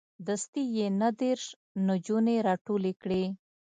دستې یې نه دېرش نجونې راټولې کړې.